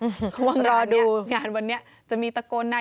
เพราะว่างานนี้รอดูงานวันนี้จะมีตะโกนนะ